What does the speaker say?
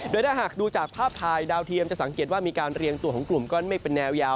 โดยถ้าหากดูจากภาพถ่ายดาวเทียมจะสังเกตว่ามีการเรียงตัวของกลุ่มก้อนเมฆเป็นแนวยาว